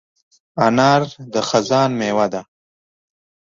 انار د خزان مېوه ده.